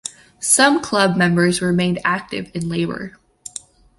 Some club members remained active in Labour.